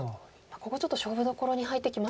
ここちょっと勝負どころに入ってきましたね。